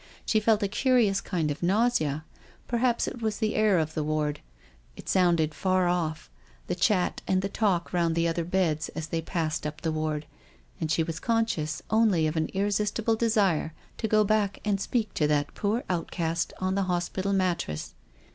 She felt a curious kind of nausea; perhaps it was the air of the ward. It sounded far off, the chat and the talk round the other beds, as they passed up the ward. She felt an irresistible desire to go back and speak to that poor out cast on the hospital mattress.